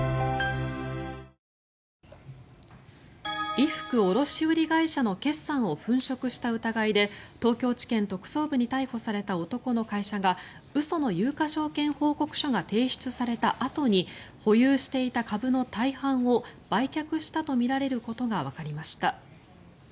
衣服卸売会社の決算を粉飾した疑いで東京地検特捜部に逮捕された男の会社が嘘の有価証券報告書が提出されたあとに保有していた株の大半を売却したとみられることがわかりました。